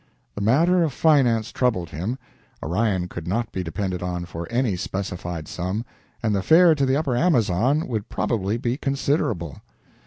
The matter of finance troubled him. Orion could not be depended on for any specified sum, and the fare to the upper Amazon would probably be considerable.